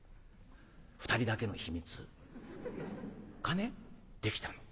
２人だけの秘密がねできたの。